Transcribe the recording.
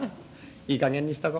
いいかげんにしとこ。